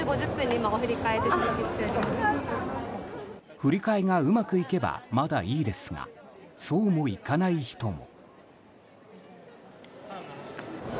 振り替えがうまくいけばまだいいですがそうもいかない人も。